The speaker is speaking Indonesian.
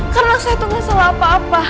karena saya tuh gak salah apa apa